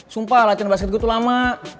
sumpah latihan basket gue tuh lama